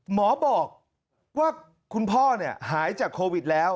หมอบอกว่าคุณพ่อหายจากโควิดแล้ว